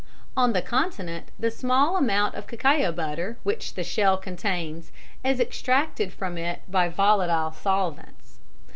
On the Continent the small amount of cacao butter which the shell contains is extracted from it by volatile solvents.